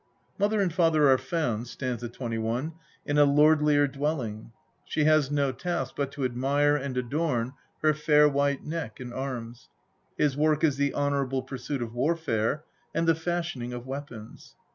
Mother and father are found (st. 21) in a lordlier dwelling; she has no task but to admire and adorn her fair white neck and arms ; his work is the honourable pursuit of warfare, and the fashioning of weapons.